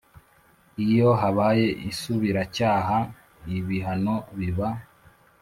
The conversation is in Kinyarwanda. Iyo habaye isubiracyaha ibihano biba